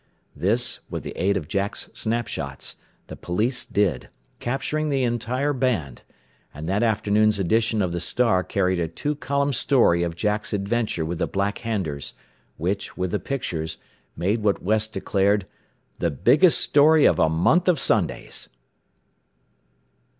This, with the aid of Jack's snap shots, the police did, capturing the entire band; and that afternoon's edition of the "Star" carried a two column story of Jack's adventure with the Black Handers, which, with the pictures, made what West declared "the biggest story of a month of Sundays."